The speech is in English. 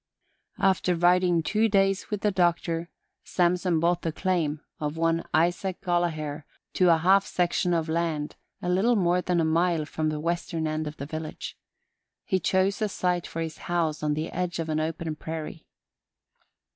After riding two days with the Doctor, Samson bought the claim of one Isaac Gollaher to a half section of land a little more than a mile from the western end of the village. He chose a site for his house on the edge of an open prairie.